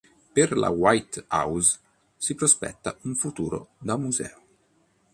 Per la White House si prospetta un futuro da museo.